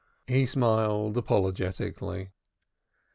He smiled apologetically.